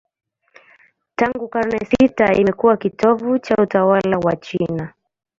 Tangu karne sita imekuwa kitovu cha utawala wa China.